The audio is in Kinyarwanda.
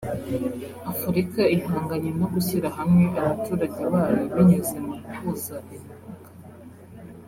Afurika ihanganye no gushyira hamwe abaturage bayo binyuze mu guhuza imipaka